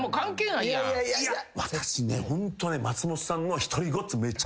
いや私ねホントね松本さんの。